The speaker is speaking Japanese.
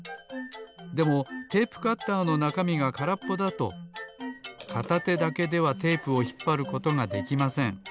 でもテープカッターのなかみがからっぽだとかたてだけではテープをひっぱることができません。